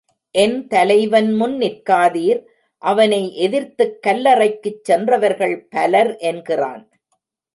என் தலைவன்முன் நிற்காதீர் அவனை எதிர்த்துக் கல்லறைக்குச் சென்றவர்கள் பலர் என்கிறான்.